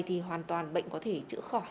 thì hoàn toàn bệnh có thể chữa khỏi